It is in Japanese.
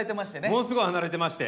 ものすごい離れてまして。